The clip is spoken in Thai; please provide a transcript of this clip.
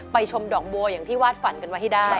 ชมดอกบัวอย่างที่วาดฝันกันไว้ให้ได้